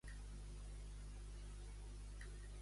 Què és "Geraint, fill d'Erbin"?